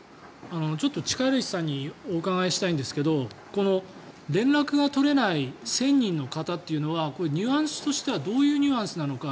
ちょっと力石さんにお伺いしたいんですが連絡が取れない１０００人の方というのはニュアンスとしてはどういうニュアンスなのか。